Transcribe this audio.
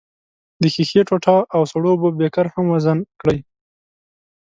د ښيښې ټوټه او سړو اوبو بیکر هم وزن کړئ.